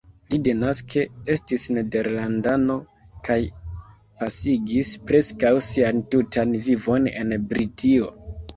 Li denaske estis nederlandano kaj pasigis preskaŭ sian tutan vivon en Britio.